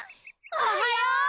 おはよう！